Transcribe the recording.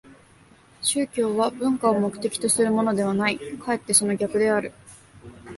宗教は文化を目的とするものではない、かえってその逆である。